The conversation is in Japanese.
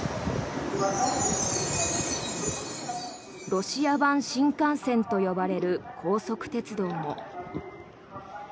ロシア版新幹線と呼ばれる高速鉄道も。